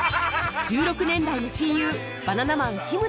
１６年来の親友バナナマン日村